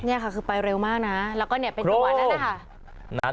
นี่ค่ะคือไปเร็วมากนะแล้วก็เป็นตัวนั้นนะฮะ